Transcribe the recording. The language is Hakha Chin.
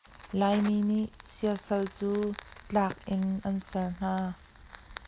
Laimi nih siasal cu tlak in an ser hna.